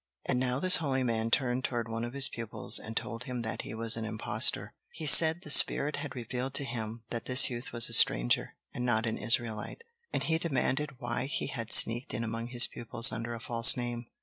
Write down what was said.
And now this holy man turned toward one of his pupils and told him that he was an impostor. He said the spirit had revealed to him that this youth was a stranger, and not an Israelite. And he demanded why he had sneaked in among his pupils under a false name.